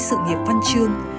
sự nghiệp văn chương